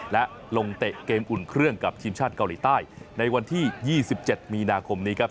และลงเตะเกมอุ่นเครื่องกับทีมชาติเกาหลีใต้ในวันที่๒๗มีนาคมนี้ครับ